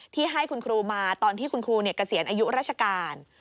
ที่ให้คุณครูมาตอนที่คุณครูเกษียณอายุราชการ